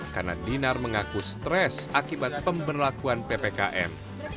karena dinar mengaku stres akibat pemberlakuan ppkm